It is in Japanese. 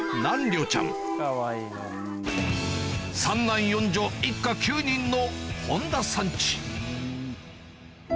３男４女一家９人の本多さんチ